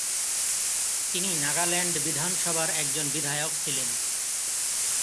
তিনি নাগাল্যান্ড বিধানসভার একজন বিধায়ক ছিলেন।